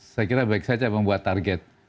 saya kira baik saja membuat target